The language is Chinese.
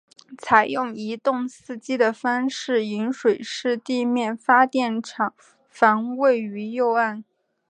采用一洞四机的方式引水式地面发电厂房位于右岸。